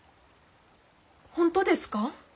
本当ですか？